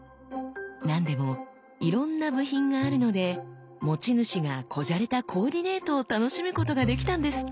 何でもいろんな部品があるので持ち主が小じゃれたコーディネートを楽しむことができたんですって！